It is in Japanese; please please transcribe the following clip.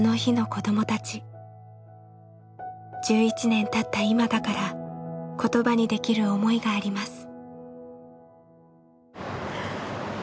１１年たった今だから言葉にできる思いがあります。